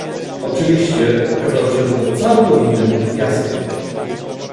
Oczywiście okazało się to całkowitym fiaskiem